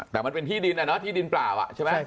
แต่มันเป็นที่ดินอะเนาะที่ดินเปล่าอ่ะใช่ไหม